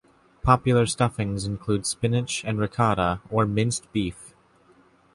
Popular stuffings include spinach and ricotta or minced beef.